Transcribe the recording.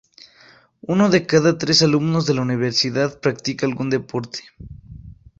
Uno de cada tres alumnos de la Universidad practica algún deporte.